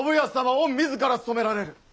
御自ら務められる！